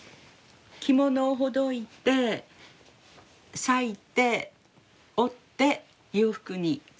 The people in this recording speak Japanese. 着物をほどいて裂いて織って洋服に作ってます。